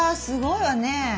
すごいわね。